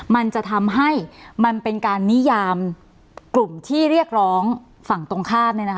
มันจะทำให้มันเป็นการนิยามกลุ่มที่เรียกร้องฝั่งตรงข้าม